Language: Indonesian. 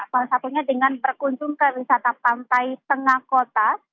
salah satunya dengan berkunjung ke wisata pantai tengah kota